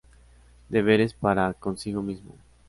Deberes para consigo mismo.